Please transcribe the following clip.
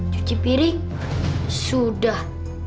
cuci piring sudah